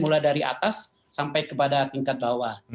mulai dari atas sampai kepada tingkat bawah